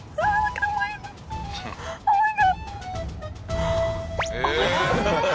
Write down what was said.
かわいい。